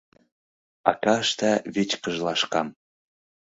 Ака ышта вичкыж лашкам